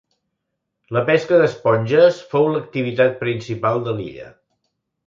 La pesca d'esponges fou l'activitat principal de l'illa.